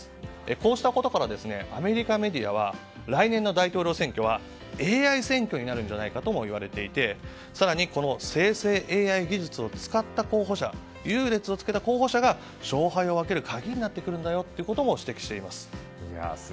こうしたことからアメリカメディアは来年の大統領選挙はＡＩ選挙になるんじゃないかともいわれていて更に、生成ＡＩ技術を使った候補者優劣をつけた候補者が勝敗を分ける鍵になってくると指摘しています。